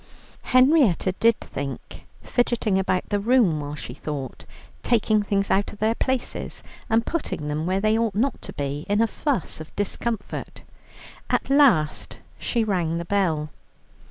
Henrietta did think, fidgeting about the room while she thought, taking things out of their places and putting them where they ought not to be, in a fuss of discomfort. At last she rang the bell.